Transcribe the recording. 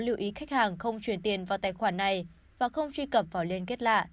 lưu ý khách hàng không truyền tiền vào tài khoản này và không truy cập vào liên kết lạ